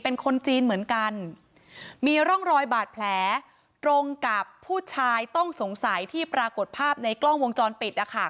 เป็นคนจีนเหมือนกันมีร่องรอยบาดแผลตรงกับผู้ชายต้องสงสัยที่ปรากฏภาพในกล้องวงจรปิดนะคะ